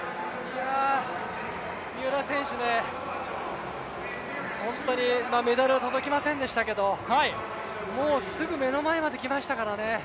三浦選手、本当に、メダルは届きませんでしたけど、もうすぐ目の前まで来ましたからね。